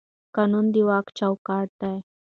قانون د واک چوکاټ دی